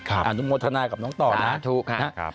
อาณุโมทนายกับน้องต่อนะ